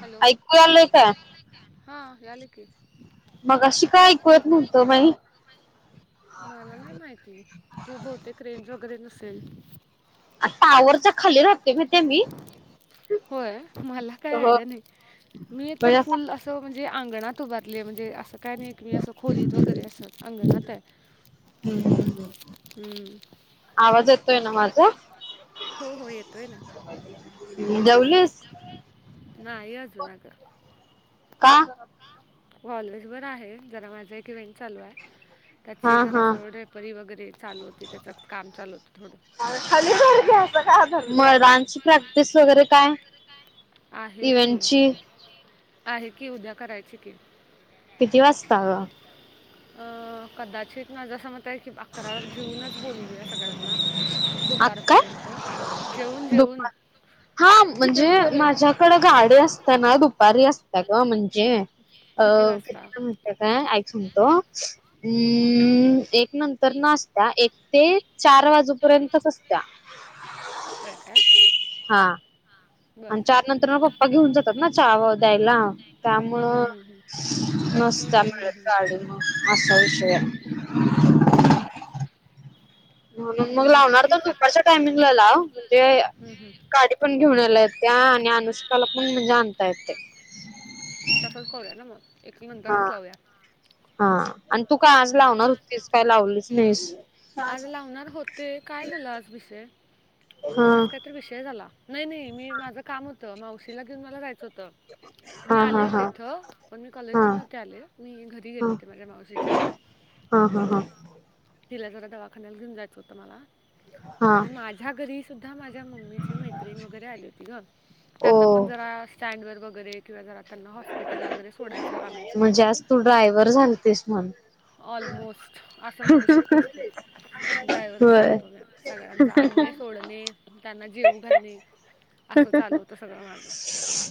Hello ऐकू आलंय का? हा यायलय की मगाशी का ऐकू येत नव्हतं बाई? पण मला नाय माहिती, हो बहुतेक रेंज वगैरे नसेल. अ टावरच्या खाली राहते मी होय. मला काय हो आयडिया नाय, मी एक तर म्हणजे असा फुल अस तो म्हणजे आंगणात उभारले. म्हणजे अस काय माहित मी असं खोलीत वगैरे असं अंगणात ये हम्म आवाज येतोय न माझा? हो हो येतोय न. जेवलीस नाही अजून अग. का? का? कॉलेज वर आहे. जरा माझा एक इव्हेंट चालू आय. हा त्याचे जरा हा अस ओढेपरी वगैरे चालू होते. त्याच्यात काम चालू होतं थोड खाली वर घ्यायच का धर म रांची प्रॅक्टिस वगैरे काय? आहे की, इव्हेंटची आहे की, उद्या करायची की किती वाजता ग? अअ कदाचित माझ अस मत हाय की बा फराळ घेऊनच बोलवूया सगळ्यांना आक्का दुपारपर्यंत, अग काय जेवून जेवून दुपार हा म्हणजे माझ्याकडं गाडी असत्या ना दुपारी असत्या ग म्हणजे अ किती वाजता किती म्हणत, काय ऐक म्हणतो. हं, हूं एक नंत तर ना असत्या. एक ते चार वाजूपर्यंतच असत्या. व्हय काय. हा बरं आणि चार नंतर म पप्पा घेऊन जातात ना चहा द्यायला. हं, त्यामुळं हं, हं, हं. हं, नसता हं, हं, मिळत हं. गाडी म असा विषय हाय. बरं म्हणून मग हं, लावणार तर ठीक आहे दुपारच्या टायमिंगला लाव म्हणजे हं, हं. गाडी पण घेऊन यायला येते आणि अनुष्काला पण म्हणजे आणता येते. तसच करूया ना मग. एक हा नंतरच लावूया. हा आणि तू काय आज हं. लावणार होतीस, काय लावलीच नाहीस. आज लावणार होते, काय झालं आज विषय? हा आज काही तर विषय झाला. नाही नाही, मी, माझं काम होतं. मावशीला घेऊन मला जायचं होतं. मी हा आले हा होते हा इथं. पण मी कॉलेज हा वर नव्हते आले, मी घरी गेले हा होते माझ्या मावशीच्या. हा हा हा. तिला जरा दवाखान्याला घेऊन जायचं होतं मला. हा आणि माझ्या घरी सुद्धा माझ्या मम्मीची मैत्रिण वगैरे आली होती गं. ओ त्यांना पण जरा स्टँड वर वगैरे किंवा जरा त्यांना हॉस्पिटलला वगैरे सोडायचं आणायचं म्हणजे होतं. आज तू ड्रायव्हर झालतीस म्हण ऑलमोस्ट. अस असं म्हणू शकतेस तू. ड्रायव्हवरच होय झालतो मी आज सगळ्यांचा. आणणे, सोडणे. त्यांना जेवू घालणे, असं चालू होत सगळं माझं.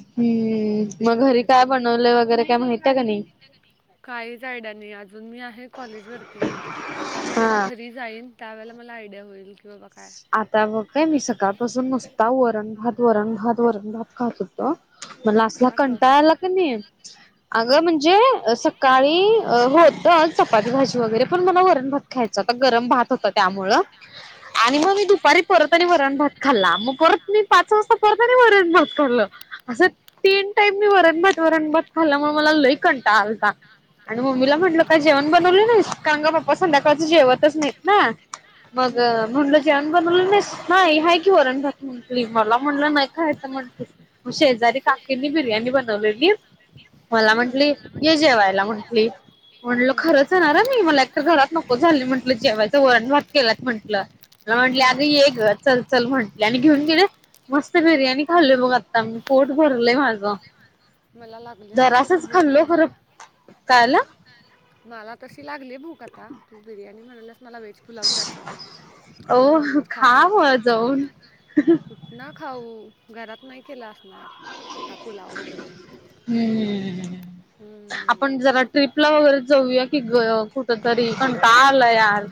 हम्म काय मग घरी बनवलंय काय वगैरे माहितीय बनवलंय का नाही काहीच आयडिया नाही अजून. मी आहे कॉलेज वरती, आता मी जेव्हा हा घरी जाईन त्यावेळेला मला आयडिया होईल की बाबा का आता बघ काय मी सकाळपासून नुसता वरण भात, वरण भात, वरण भात खात होतो. मला असला का गं कंटाळाला क नाही. हम्म. अगं म्हणजे अस काळी होत चपाती भाजी वगैरे. पण मला वरण भात खायचा होता गरम भात होता त्यामुळं, आणि वा मग मी दुपारी परत आणि वरण भात खाल्ला, मग परत मी पाच वाजता परत आणि वरण भात खाल्लं. असं तीन टाईम मी वरण भात, वरण भात खाल्ल्यामुळे मला लई कंटाळा आलता. आणि मम्मीला म्हटलं हम्म. काय जेवण बनवले नाहीस? कारण का पप्पा हम्म. संध्याकाळचं जेवतच नाहीत ना. मग हम्म. म्हण जेवण बनवलं नाहीस? नाही हाय की वरणभात म्हटली मला म्हटलं नाही खायचा म्हटलं मग शेजारी काकींनी बिर्याणी बनवलेली. मला हम्म. म्हंटली, ये जेवायला म्हंटली. म्हटलं हम्म. खरंच येणार हा मी मला तर घरात नको झालं म्हटलं जेवायचं. वरण भात केलात म्हटलं. मला म्हटली हम्म. आगं ये गं. चल चल म्हंटले आणि घेऊन गेले मस्त बिर्याणी खाल्ली बग आता मी. पोट भरलय माझं. मला लागली आता तसं जरासच भूक खाल्लो म्हणजे खरं. मी- कायला? मला तशी लागली भूक आता. तू बिर्याणी म्हणालास मला व्हेज पुलाव ची ओह, खा मग जाऊन कुठ ना खाऊ? घरात नाही केलं असणार आता पुलाव वगैरे. हम्म.. हम्म. आपण जरा ट्रिपला वगैरे जाऊया की गं कुठ तरी. कंटाळा आला यार.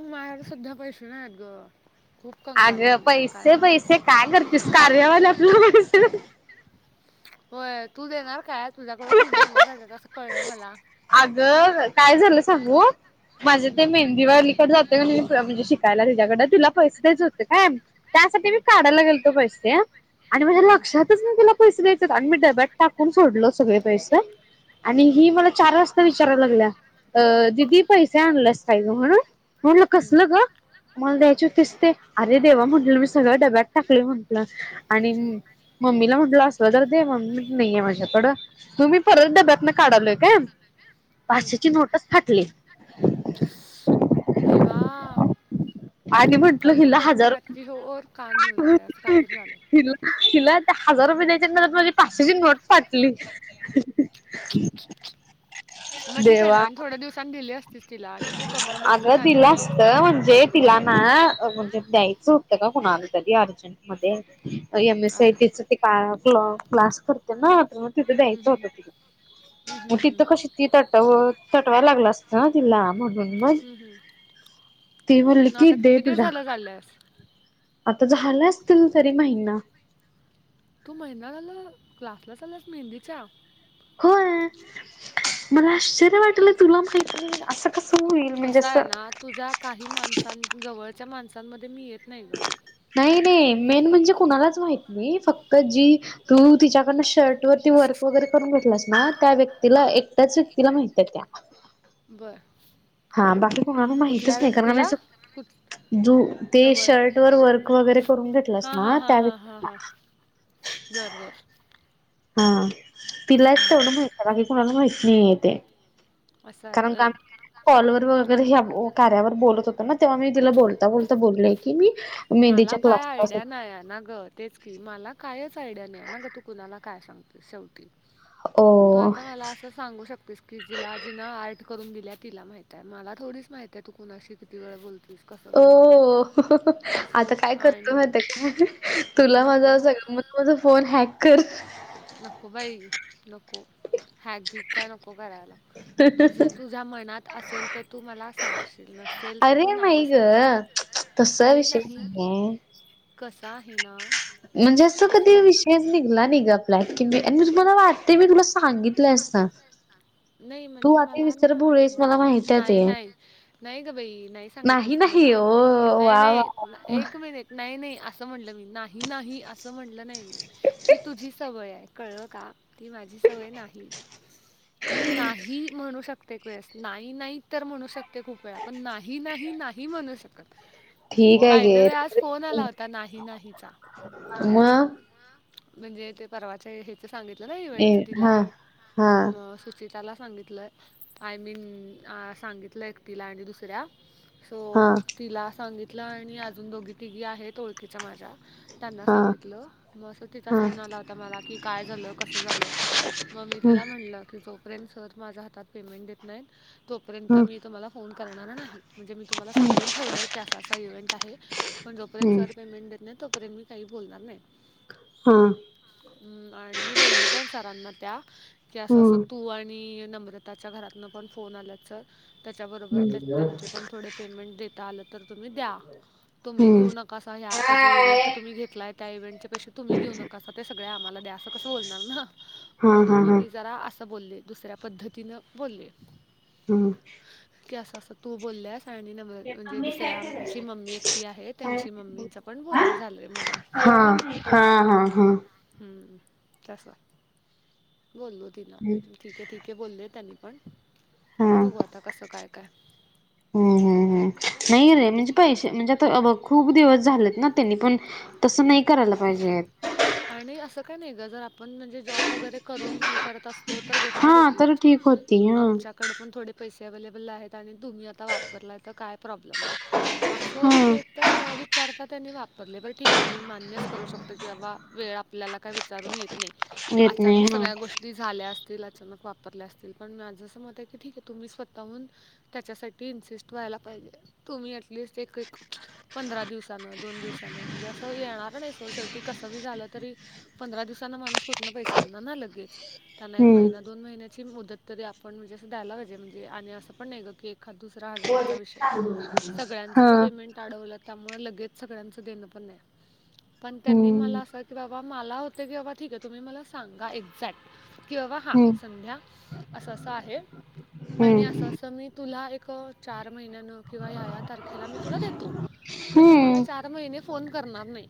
नायत गं सध्या पैसे नाहीत गं. खूप कंगाल आहे अगं मी. काय पैसे सांगू? पैसे काय करतेस? कार्या वाला [unintelligible] होय तू देणार काय? तुझ्याकडं खूप जमा झालेत असं कळलं मला. अगं, काय झालं सांगू? माझे ते हम्म. मेहंदीवालीकडे जात [unintelligible] म्हणजे शिकायला तिच्याकडं. तिला पैसे द्यायचे होते काय? त्यासाठी मी काढायला गेलतो पैसे, आणि माझ्या हम्म, लक्षात कसलं तिला पैसे द्यायचेत आणि मी डब्यात टाकून सोडलं सगळे पैसे आणि हम्म, ही मला चार वाजता विचारयला लागल्या? अ हम्म, हम्म, दिदी पैसे आणलेच काय गं म्हण? म्हटलं हम्म, कसलं ग? मला द्यायचे होतीस ते, अरे देवा म्हंटलं मी सगळं डब्यात टाकले म्हंटलं आणि. हम्म, मम्मीला म्हटलं असलं तर दे, मम्मी नाहीये माझ्या कड मग मी परत हम्म, डब्यातन काढालोय का? हम्म. पाचशेची नोटचं फाटली. देवा.. आणि म्हटल कर्म हिला करने हजार जाती हो और कांड हो जाता है असं रूपये काहीतरी [unintelligible] झालं हिला हिला आता हजार रुपये द्यायच्या नादात, माझी पाशेची नोट फाटली. [unintelligible] मग ठीक आहे देवा ना, थोड्या दिवसां दिले असती तिला आणि तू कमवली अग असतीस आणि दिलं दिली असत, असती म्हणजे तिला ना, म्हणजे हम्म. द्यायचं होतं का कुणाला तरी अजून मध्ये M. S. C. I. Err. T. चा क्लास करते ना, तिथ हम्म, द्यायचं हम्म. होत, हम्म, मग हम्म, तिथं कशी ती तट तटवायला लागला असत. ह तिला म्हणून बघ हम्म, हम्म. ती म्हणाली मग की, आता दे किती दिवस तुझ्या झालं कड. चालल्यास आता झालं असतील तरी महिना. तू महिना झाला? क्लासला चालल्यास मेहंदीच्या. होय, मला आश्चर्य वाटलं तुला माहिती असं का. कस आहे ना तुझ्या काही माणसां जवळच्या माणसांमध्ये मी येत नाही ग. नाही नाही मेन म्हणजे कुणालाच माहित नाही, फक्त जी तू तिच्याकडनं शर्ट वरती वर्क वगैरे करून घेतलास ना, त्या व्यक्तीला एकट्याच व्यक्तीला माहित आहे त्या. होय हा बाकी कोणाला माहितच नाही, कारण आम्ही अस. कुठ जू ते जवळ शर्ट वर वर्क वगैरे करून घेतलंस हां हां ना, हां त्या हां हां व्यक्तीला. हां बरं बरं. हा तिलाच हं. तेवढं माहिती आहे, बाकी कोणाला माहित नाहीय आहे ते. असं आहे कारण होय. आम्ही कॉलवर व वगैरे हे आपण कार्यावर बोलत होतो मग तेव्हा मी तिला बोलता बोलता बोललेय की, मी मेंदच्या क्लास कलानगर. तेच की, मला कायच आयडिया नाही आहे ना, ग तू कुणाला काय सांगते शेवटी. ओ तू आता मला असं सांगू शकतेस की जिला जिना आर्ट करून दिल्या तिला माहित आहे, मला थोडीच माहित आहे तू कुणाशी किती वेळ बोलते. हो सो आता काय करतो आणि माहीत आहे का, तुला नको माझा नको सगळं. माझ फोन हॅक कर. नको बाई नको हॅक बीक काय नको करायला. तुझ तुझ्या मनात असेल तर तू मला सांगशील नसेल तर अरे तू नाही ग सांगशील. तसा अरे विषय नाही नाहीये कसा आहे ना.. म्हणजे असं असू कधी दे विषय निघला नाही ग, आपल्यात किती मंजे मला वाटते मी तुला सांगितलं अस. नाही म्हणजे, मला नाही आठत भोळेस मला माहित आहे नाही, ते नाही नाही ग बाई नाही. कुट सांगीतलीस तू नाही मला ओ नाही वा नाही वा एक. नाही नाही असं म्हणलं मी, नाही नाही असं म्हणलं नाही मी की तुझी सवय आहे. कळलं का? ती माझी सवय नाही, मी नाही म्हणू शकत एक वेळेस नाही नाही तर म्हणू शकते खूप वेळा, पण नाही नाही नाही म्हणू शकत. ठीक आहे बाय द गे वे, आज फोन आला होता नाही नाहीचा. मग? म्हणजे ते परवाच्या हेच सांगितलं ना, ए इव्हेंटच तिला हा हा म जे त्याला सांगितलं, आय मीन सांगितलं एकटीला आणि दुसऱ्या. सो, हा तिला सांगितलं आणि अजून दोघी-तिघी आहेत ओळखीच्या माझ्या. त्यांना हा सांगितलं. मग असं तिथं हा हा फोन आला होता मला की काय झालं, कसं झालं? मग मी तिला हा म्हणलं की जो ते सर माझ्या हातात पेमेंट देत नाहीत. तोपर्यंत मी तुम्हाला फोन करणार नाही, म्हणजे मी तुम्हाला सांगून ठेवलंय की असा असा इव्हेंट आहे. पण जोपर्यंत सर पेमेंट देत नाही, तोपर्यंत मी काही बोलणार नाही. हां. हम्म, आणि मी बोलले पण सरांना त्या की असं- हा असं तू आणि नंब्र त्याच्या घरातून पण फोन आला सर. त्याच्याबरोबर त्यांचे पण थोडे पेमेंट देता आलं तर तुम्ही द्या. तुम्ही घेऊ हा नका असं हं, आता जो इव्हेंट तुम्ही घेतलाय त्या इव्हेंटच्या पेक्षा तुम्ही घेऊ नका असं ते सगळं आम्हाला द्या, असं कसं बोलणार ना? हा म्हणून मग हा मी जरा असं बोलले, दुसऱ्या पद्धतीनं बोलले. हम. की असं असं तू बोलल्या सा म्हणजे दुसऱ्या आम्हची मम्मी एकटी आहे त्यांची मम्मीच पण बोलणं झालं रे म्हणून, हा हा हा हम्म, हम्म त् बोललो ति ना ठीक आहे ठीके बोलले त्यांनी पण. हा बघू आता कसं काय-काय हम्म नाही रे हम्म. म्हणजे पैसे म्हणजे, आता खूप दिवस झालेत ना, त्यांनी पण तसं नाही करायला पाहिजे. आणि असं काय नाही गं, जर आपण म्हणजे जॉब वगैरे करून हे करत असतो. तर गोष्ट हा वेगळी तर होती ठीक होती हा आमच्या कडे पण थोडे पैसे अव्लेबल आहेत आणि तुम्ही आता वापरलाय, तर काय प्रॉब्लेम नाही. असं हा म्हणजे, एक तर न विचारता त्यांनी वापरले, बरं ठीक आहे, मी मान्यच करू शकतो की बाबा, वेळ आपल्याला काय विचारून येत नाही, येत नाही अचानक हा सगळ्या गोष्टी. ती झाल्या असतील, अचानक वापरल्या असतील, पण माझं असं मत आहे की, ठीक आहे, तुम्ही स्वतःहून त्याच्यासाठी इन्सिस्ट व्हायला पाहिजे. तुम्ही अटलिस्ट एक पंधरा दिवसानं, दोन दिवसान जस येणार नाही स, शेवटी कसं बी झालं तरी पंधरा दिवसांना माणूस कुठणं पैजना ना लगेच. त्यांना एक हम्म महिना, दोन महिना ची मुदत तरी आपण म्हणजे असं द्यायला पाहिजे, म्हणजे आणि असं पण नाही गं की एखाद दुसऱ हजारात षय, हा सगळ्यांचंच पेमेंट अडवलं, त्यामुळे लगेच सगळ्यांचं देणं पण नाही. पण त्यांनी मला हम्म असं की, बाबा, मला होते की, बाबा, ठीक आहे, तुम्ही मला सांगा एक्झॅक्ट किंवा बाबा, हा संध्या असं-असं आहे. आणि हम्म असं असं मी तुला एक चार महिन्यांनी किंवा ह्या ह्या तारखेला मी तुला देतो. मी तुम्हाला हम्म चार महिने फोन करणार नाही.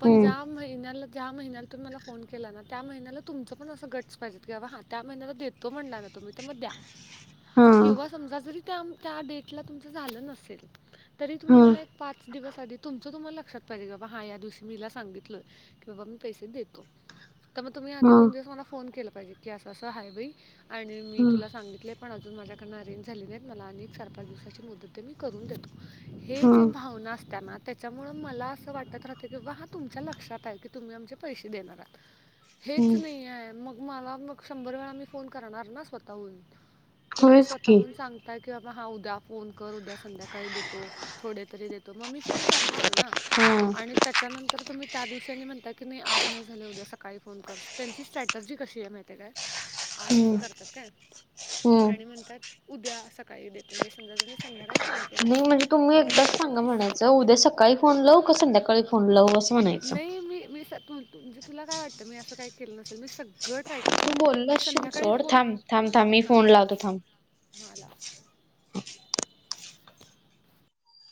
पण हम्म ज्या महिन्याला, ज्या महिन्याला तुम्ही मला फोन केला ना, त्या महिन्याला तुमचं पण असं घट पाहिजे का बाबा, हा त्या महिन्याला देतो म्हणणा ना, तुमि तर मग द्या. [inaudible] किंवा समजा, जरी त्या डेटला तुमचं झालं नसेल. तरी तुम्ही हा मला एक पाच दिवस आधी, तुचं तुम्हाला लक्षात पाहिजे ग हा, या दिवशी मीला सांगितलय की, बाबा मी पैसे देतो. तर मग तुम्ही आधी हा दोन दिवस मला फोन केलं पाहिजे की, असं असं आहे बाई. आणि मी ह तुला सांगितले पण अजून माझ्याकडन अरेंज झाल नाही मला आणि चार पाच दिवसाची मुदत दे मी करून देतो. हे हा जे भावना असत्या ना त्याच्यामुळ मला अस वाटत राहते कि हा बा तुमच्या लक्षात आहे की तुम्ही आमचे पैसे देणार आहात. हेच नाही ये मग मला मग शंभर वेळा मी फोन करणार ना स्वतःहून तुम्ही होयच की स्वतःहून सांग ताय की बाबा हा उद्या फोन कर उद्या संध्याकाळी देतो थोडे तरी देतो मग मी फोन करणार ना हा आणि त्यात त्याच्यानंतर तुम्ही त्या दिवशानी आणि म्हणता की नाही आज नाही झाले, उद्या सकाळी फोन करते त्यांची स्ट्रॅटर्जी कशी आहे माहिती ये काय [inaudible] आज फोन करत्यात काय हम्म आणि म्हणतात उद्या सकाळी देतो म्हणजे समजा जरी संध्याकाळीस नाही म्हणजे तुम्ही एकदाच सांगा म्हणायचं, उद्या सकाळी फोन लावू का संध्याकाळी फोन लावू असं म्हणायचं नाही मी मीे तुला काय वाटतं, मी असं काय केलं नसेल मी सगळं ट्राय केली तू मी बोललाशील संध्याकाळी सोड फोन थांब थांब थांब मी हा फोन लावतो थांब. मला